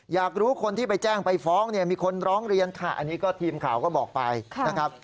อยากรู้คนที่ไปแจ้งไปฟ้องเนี่ยมีคนร้องเรียนค่ะอันนี้ก็ทีมข่าวก็บอกไปนะครับ